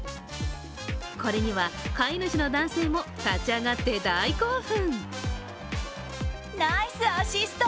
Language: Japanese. これには飼い主の男性も、立ち上がって大興奮。